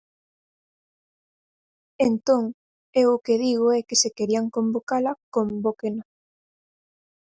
Entón, eu o que digo é que se querían convocala, convóquena.